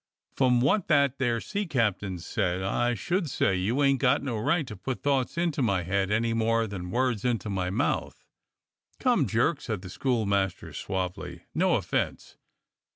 "From what that there sea captain said, I should say you ain't got no right to put thoughts into my head any more than words into my mouth." "Come, Jerk," said the schoolmaster suavely, "no offence."